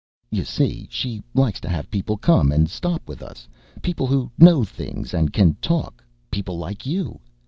"You see, she likes to have people come and stop with us people who know things, and can talk people like you.